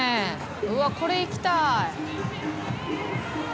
うわっこれ行きたい。